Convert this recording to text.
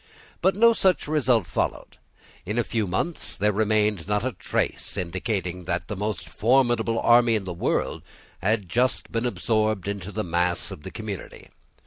But no such result followed. In a few months there remained not a trace indicating that the most formidable army in the world had just been absorbed into the mass of the community.